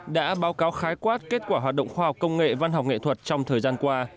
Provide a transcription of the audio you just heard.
đã báo cáo khái quát kết quả hoạt động khoa học công nghệ văn học nghệ thuật trong thời gian qua